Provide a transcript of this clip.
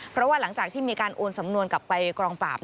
เพราะว่าหลังจากที่มีการโอนสำนวนกลับไปกองปราบ